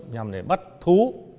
nhằm để bắt thú